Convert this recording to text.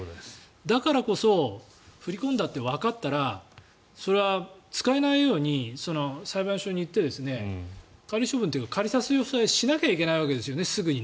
だからこそ振り込んだってわかったらそれは使えないように裁判所に言って仮処分というか仮差し押さえをしなきゃいけないですよね、すぐに。